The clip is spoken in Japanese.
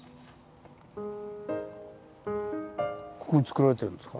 ここにつくられてるんですか？